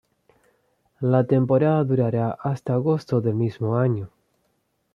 La temporada durará hasta agosto del mismo año.